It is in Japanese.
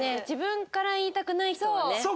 自分から言いたくない人はね。